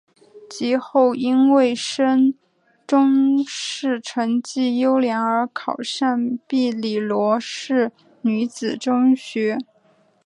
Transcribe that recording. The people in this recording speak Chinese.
及后因为升中试成绩优良而考上庇理罗士女子中学。